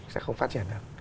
sẽ không phát triển được